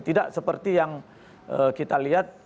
tidak seperti yang kita lihat